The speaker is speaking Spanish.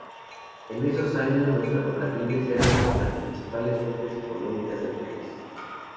En esos años los ferrocarriles eran las principales fuentes económicas de país.